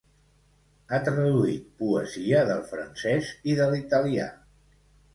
Ha traduït poesia del francès i de l'italià.